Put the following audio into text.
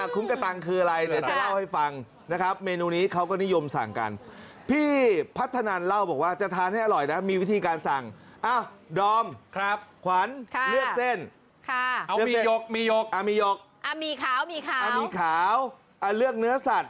คุ้มกะตั่งคืออะไรเดี๋ยวจะเล่าให้ฟังนะกับ